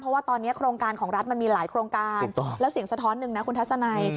เพราะว่าตอนนี้โครงการของรัฐมันมีหลายโครงการแล้วเสียงสะท้อนหนึ่งนะคุณทัศนัย